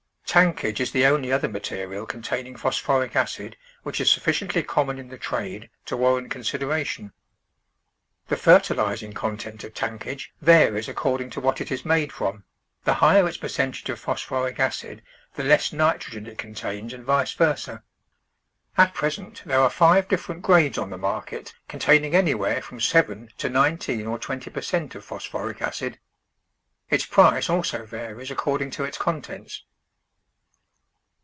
Tankage is the only other material containing phosphoric acid which is sufficiently common in the trade to warrant consideration. The fertilising content of tankage varies ' according to what it is made from; the higher its percentage of phos phoric acid the less nitrogen it contains and vice THE VEGETABLE GARDEN versa. At i}resent there are five different grades on the market containing anywhere from seven to nineteen or twenty per cent of phosphoric acid. Its price also varies according to its contents.